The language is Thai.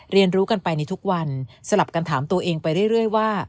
เรียนรู้กันไปในทุกวันสลับกันถามตัวเองไปเรื่อยว่า